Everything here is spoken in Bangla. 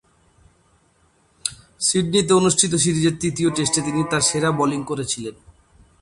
সিডনিতে অনুষ্ঠিত সিরিজের তৃতীয় টেস্টে তিনি তার সেরা বোলিং করেছিলেন।